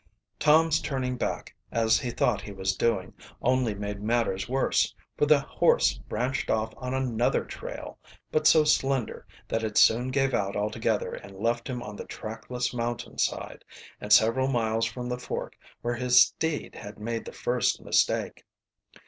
Tom's turning back, as he thought he was doing, only made matters worse, for the horse branched off on another trail but so slender that it soon gave out altogether and left him on the trackless mountain side, and several miles from the fork where his steed had made the first mistake.